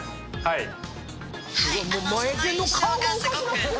はい。